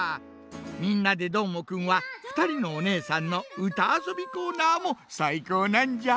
「みんなＤＥどーもくん！」はふたりのおねえさんのうたあそびコーナーもさいこうなんじゃ。